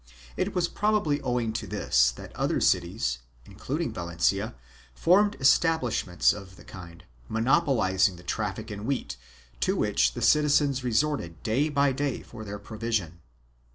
1 It was probably owing to this that other cities, including Valencia, formed establishments of the kind, monopolizing the traffic in wheat, to which the citizens resorted day by day for their provision.